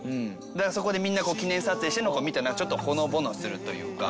そこでみんな記念撮影してるのこう見てちょっとほのぼのするというか。